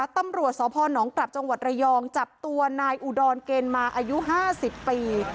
ตำรวจสพนกลับจังหวัดระยองจับตัวนายอุดรเกณฑ์มาอายุ๕๐ปี